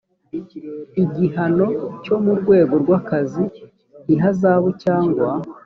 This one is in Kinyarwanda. igihano cyo mu rwego rw akazi ihazabu cyangwa